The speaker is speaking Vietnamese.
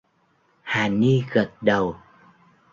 Hà ni gật đầu